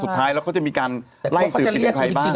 สุดท้ายเราก็จะมีการไล่สืบเป็นใครบ้าง